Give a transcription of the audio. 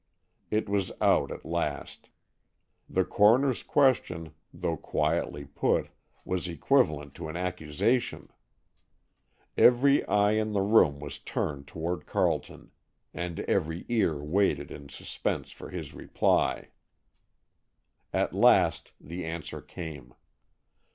It was out at last. The coroner's question, though quietly put, was equivalent to an accusation. Every eye in the room was turned toward Carleton, and every ear waited in suspense for his reply. At last the answer came.